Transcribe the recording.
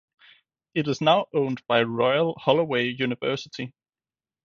It is now owned by Royal Holloway University.